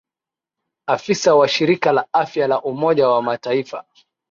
afisa wa shirika la afya la umoja wa mataifa